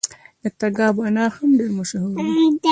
د تګاب انار هم ډیر مشهور دي.